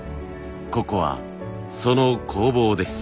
ここはその工房です。